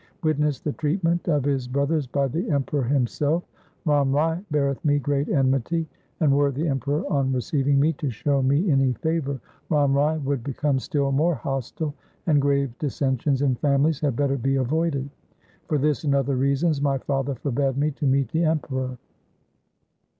Witness the treatment of his brothers by the Em peror himself. Ram Rai beareth me great enmity, and were the Emperor on receiving me to show me any favour, Ram Rai would become still more hostile, and grave dissensions in families had better be avoided. For this and other reasons my father forbade me to meet the Emperor.'